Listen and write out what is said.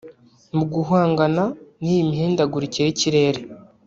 mu guhangana n’iyo mihindagurikire y’ikirere